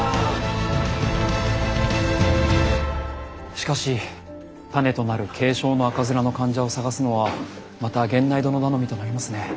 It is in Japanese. しかし種となる軽症の赤面の患者を探すのはまた源内殿頼みとなりますね。